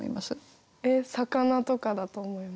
えっ魚とかだと思います。